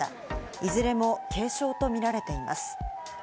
いずれも軽傷とみられています。